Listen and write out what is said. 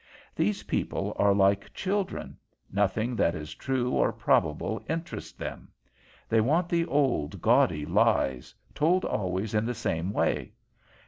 Those people are like children; nothing that is true or probable interests them. They want the old, gaudy lies, told always in the same way.